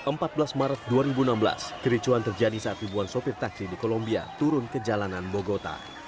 pada empat belas maret dua ribu enam belas kericuan terjadi saat ribuan sopir taksi di kolombia turun ke jalanan bogota